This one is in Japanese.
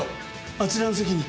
あちらの席に。